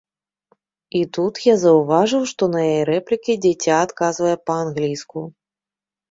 І тут я заўважыў, што на яе рэплікі дзіця адказвае па-англійску.